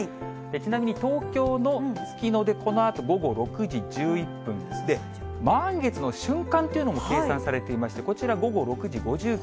ちなみに東京の月の出、このあと午後６時１１分で、満月の瞬間というのも計算されていまして、こちら、午後６時５９分。